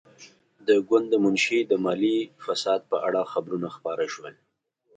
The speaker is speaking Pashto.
د ګوند د منشي د مالي فساد په اړه خبرونه خپاره شول.